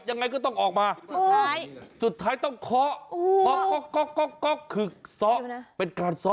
ยังไงก็ต้องออกมาสุดท้ายสุดท้ายต้องเคาะคือซ้อเป็นการซ้อ